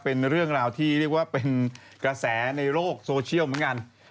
เป็นเรื่องราวที่เรียกว่าเป็นกระแสในโลกโซเชียลเหมือนกัน